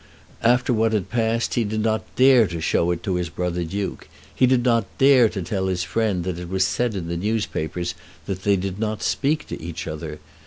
After what had passed he did not dare to show it to his brother Duke. He did not dare to tell his friend that it was said in the newspapers that they did not speak to each other.